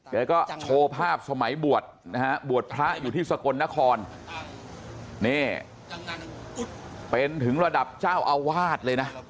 แกก็โชว์ภาพสมัยบวชนะฮะบวชพระอยู่ที่สกลนครนี่เป็นถึงระดับเจ้าอาวาสเลยนะ